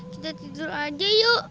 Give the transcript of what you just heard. kita tidur aja yuk